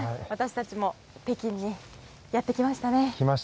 私たちも北京にやってきましたね。